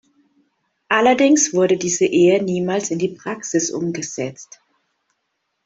Allerdings wurde diese Ehe niemals in die Praxis umgesetzt.